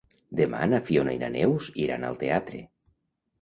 Demà na Fiona i na Neus iran al teatre.